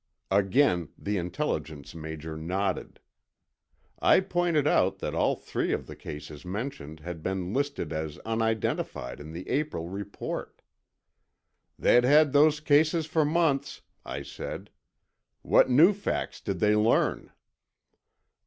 Again the Intelligence major nodded. I pointed, out that all three of the cases mentioned had been listed as unidentified in the April report. "They'd had those cases for months," I said. "What new facts did they learn?"